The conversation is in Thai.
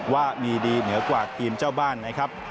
ว่ามีดีเหนือกว่าทีมเจ้าบ้านนะครับ